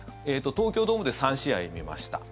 東京ドームで３試合見ました。